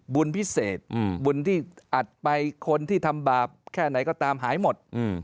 บุญพิเศษบุญที่อัดไปคนที่ทำบาปแค่ไหนก็ตามหายหมด